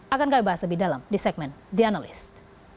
akan kami bahas lebih dalam di segmen the analyst